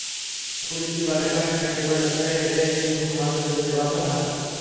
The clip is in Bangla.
পুলিশি বাধার কারণে নিরুপায় যাত্রীরা হেঁটেই নিজ নিজ গন্তব্যে যেতে বাধ্য হন।